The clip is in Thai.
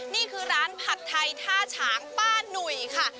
นี่คือร้านผัดไทยท่าฉางป้าหนุ่ยค่ะ